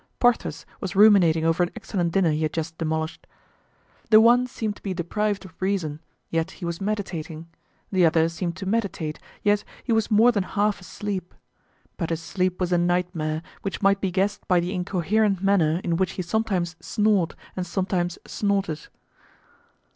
Porthos was ruminating over an excellent dinner he had just demolished. The one seemed to be deprived of reason, yet he was meditating. The other seemed to meditate, yet he was more than half asleep. But his sleep was a nightmare, which might be guessed by the incoherent manner in which he sometimes snored and sometimes snorted.